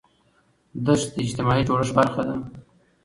دښتې د اجتماعي جوړښت برخه ده.